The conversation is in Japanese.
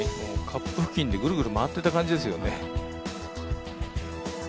カップ付近でグルグル回ってた感じですよね。